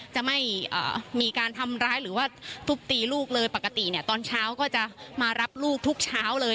จะไม่มีการทำร้ายหรือว่าทุบตีลูกเลยปกติเนี่ยตอนเช้าก็จะมารับลูกทุกเช้าเลย